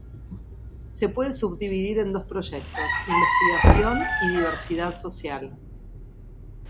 Se puede subdividir en dos proyectos: investigación y diversidad social.